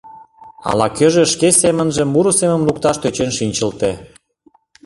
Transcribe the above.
Ала-кӧжӧ шке семынже муро семым лукташ тӧчен шинчылте.